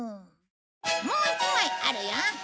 もう一枚あるよ。